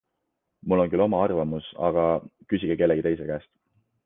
Mul on küll oma arvamus, aga ... küsige kellegi teise käest.